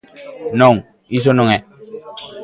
¡Non, iso non é!